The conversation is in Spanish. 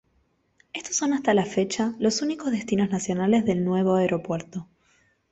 Estos son hasta la fecha los únicos destinos nacionales del nuevo aeropuerto.